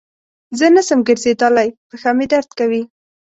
زه نسم ګرځیدلای پښه مي درد کوی.